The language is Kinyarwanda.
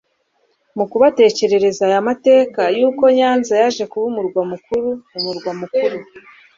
Mu kubatekerereza aya mateka y'uko Nyanza yaje kuba umurwa Mukuru umurwa mukuru